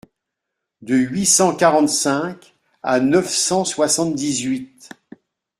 De huit cent quarante-cinq à neuf cent soixante-dix-huit.